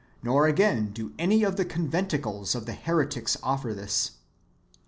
* Nor, again, do any of the conventicles (si/nagogce) of .the heretics [offer this].